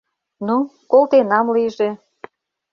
— Ну, колтенам лийже.